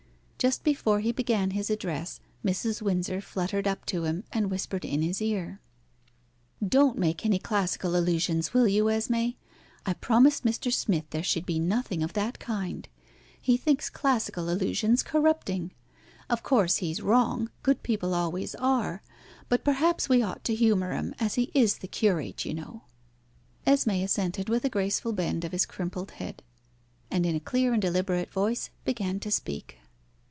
Just before he began his address Mrs. Windsor fluttered up to him, and whispered in his ear "Don't make any classical allusions, will you, Esmé? I promised Mr. Smith there should be nothing of that kind. He thinks classical allusions corrupting. Of course he's wrong good people always are but perhaps we ought to humour him, as he is the curate, you know." Esmé assented with a graceful bend of his crimpled head, and in a clear and deliberate voice began to speak.